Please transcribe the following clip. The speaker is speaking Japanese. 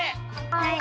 はい！